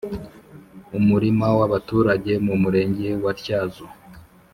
umurima w abaturage mu murenge wa tyazo